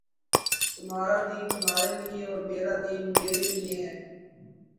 تمہارا دین تمہارے لئے اور میرا دین میرے لئے ہے